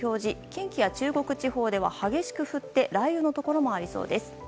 近畿や中国地方では激しく降って雷雨のところもありそうです。